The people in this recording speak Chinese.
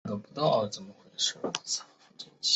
随后贬为麟山驿丞。